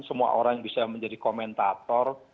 semua orang bisa menjadi komentator